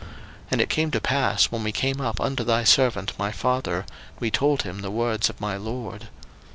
01:044:024 And it came to pass when we came up unto thy servant my father, we told him the words of my lord.